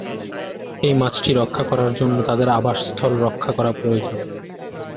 এই মাছটি রক্ষা করার জন্য তাদের আবাসস্থল রক্ষা করা প্রয়োজন।